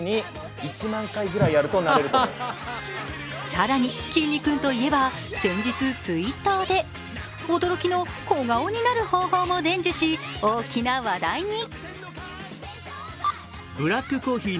更にきんに君といえば、先日、Ｔｗｉｔｔｅｒで驚きの小顔になる方法も伝授し、大きな話題に。